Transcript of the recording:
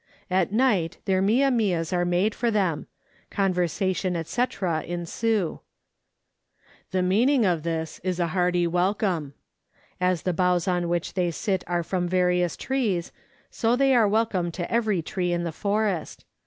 At night their mia mias 98 Letters from Victorian Pioneers. are made for them ; conversation, &c., ensue. The meanitig of this is a hearty welcome. As the boughs on which they sit are from various trees, so they are welcome to every tree in the forest.